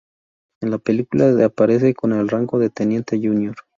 En la película de aparece con el rango de teniente junior.